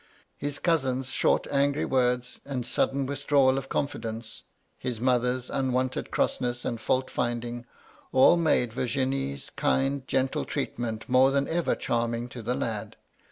His cousin's short, angry words, and sudden withdrawal of confidence, — ^his mother's un wonted crossness and fault finding, all made Virginie's kind, gentle treatment more than ever charming to the lad.